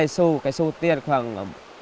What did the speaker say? lấy số tiền khoảng